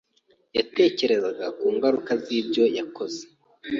yatekerezaga ku ngaruka z'ibyo yakoze.